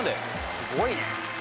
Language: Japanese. すごいね。